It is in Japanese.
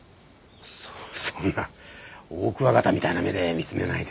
そそんなオオクワガタみたいな目で見つめないで。